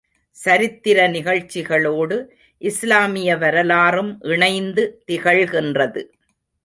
சரித்திர நிகழ்ச்சிகளோடு, இஸ்லாமிய வரலாறும் இணைந்து திகழ்கின்றது.